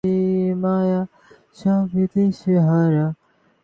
বাড়ি থাকিলে তাহাকে এক মনে ঘরে বসিয়া দপ্তর খুলিয়া পড়িতে হয়।